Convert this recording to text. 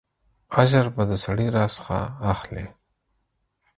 اجر به د سړي راڅخه اخلې.